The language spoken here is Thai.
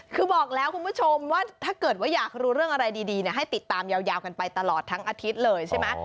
คือบอกแล้วคุณผู้ชมว่าถ้าเกิดว่าอยากรู้เรื่องอะไรดีให้ติดตามยาวกันไปตลอดทั้งอาทิตย์เลยใช่ไหม